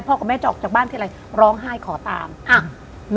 กับแม่จะออกจากบ้านทีไรร้องไห้ขอตามอ่ะ